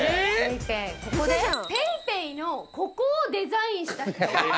ＰａｙＰａｙのロゴをデザインした人。